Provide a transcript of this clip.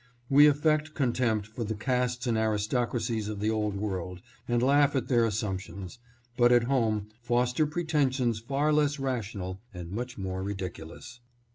We affect contempt for the castes and aristocracies of the old world and laugh at their assumptions, but at home foster pretensions far less rational and much more ridiculous.